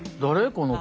この子。